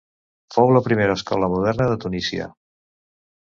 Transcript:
Fou la primera escola moderna de Tunísia.